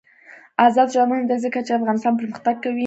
آزاد تجارت مهم دی ځکه چې افغانستان پرمختګ کوي.